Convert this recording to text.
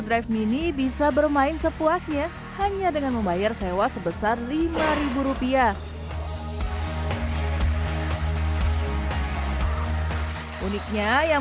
drive mini bisa bermain sepuasnya hanya dengan membayar sewa sebesar lima rupiah uniknya yang